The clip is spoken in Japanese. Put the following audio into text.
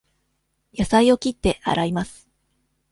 野菜を切って、洗います。